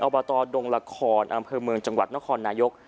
บตดงละครอำเภอเมืองจังหวัดนครนายก